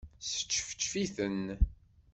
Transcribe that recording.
Sčefčef-iten.